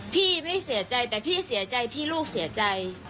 พี่ไม่เสียใจแต่พี่เสียใจที่ลูกเสียใจ